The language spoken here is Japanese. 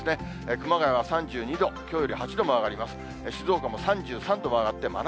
熊谷は３２度、きょうより８度も上がります。